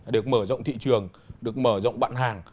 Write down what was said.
được mở rộng thị trường được mở rộng bạn hàng